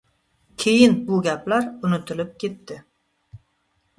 Keyin bu gaplar unutilib ketdi.